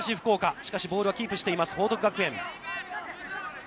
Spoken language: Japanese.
しかし、ボールはキープしています報徳学園。